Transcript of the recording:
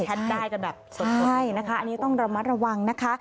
แชทได้กันแบบตรวจสอบให้ดีใช่นะคะอันนี้ต้องระมัดระวังนะคะ